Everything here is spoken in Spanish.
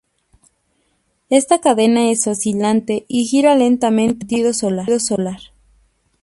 Esta cadena es oscilante y gira lentamente en sentido solar.